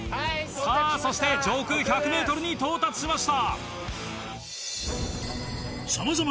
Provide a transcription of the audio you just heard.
・さぁそして上空１００ｍに到達しました。